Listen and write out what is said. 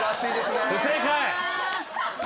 不正解。